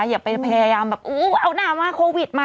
อย่าไปพยายามแบบอู้เอาหน้ามาโควิดมา